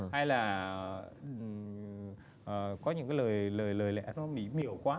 hay là có những cái lời lệ nó mỉ miệu quá